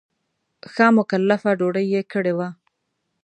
ښه مکلفه ډوډۍ یې کړې وه.